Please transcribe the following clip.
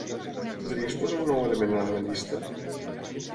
Podries posar un nou element a una llista?